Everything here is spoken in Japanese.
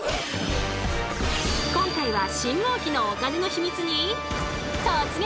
今回は信号機のお金のヒミツに突撃！